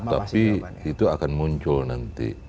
tapi itu akan muncul nanti